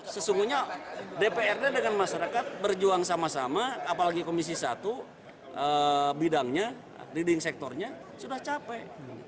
sesungguhnya dprd dengan masyarakat berjuang sama sama apalagi komisi satu bidangnya leading sectornya sudah capek